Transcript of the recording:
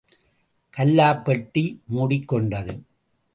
கல்லாப் பெட்டி முடிக்கொண்டது.